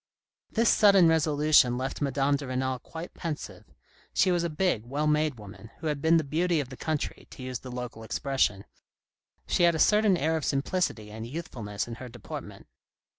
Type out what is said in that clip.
This sudden resolution left Madame de Renal quite pensive. She was a big, well made woman, who had been the beauty of the country, to use the local expression. She had a certain air of simplicity and youthfulness in her deportment.